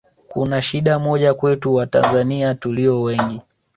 kuna shida moja kwetu Watanzania tulio wengi